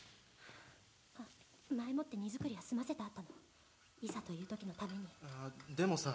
前もって荷造りは済ませてあったのいざという時のためにああでもさ